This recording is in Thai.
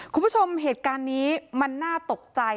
คุณผู้ชมเหตุการณ์นี้มันน่าตกใจ